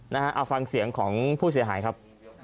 นะฮะเอาฟังเสียงของผู้เสียหายครับ